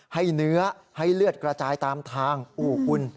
ให้เนื้อให้เลือดกระจายตามทางอู้คุณ